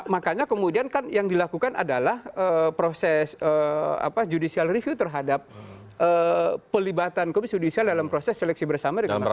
makanya kemudian kan yang dilakukan adalah proses judicial review terhadap pelibatan komisi judisial dalam proses seleksi bersama dengan masyarakat